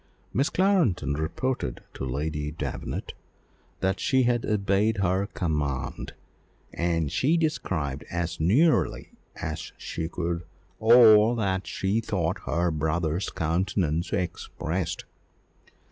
Miss Clarendon reported to Lady Davenant that she had obeyed her command, and she described as nearly as she could all that she thought her brother's countenance expressed.